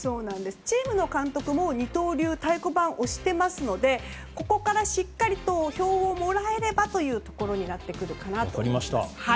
チームも監督も二刀流に太鼓判を押していますのでここからしっかり票をもらえればとなってくるかなと思います。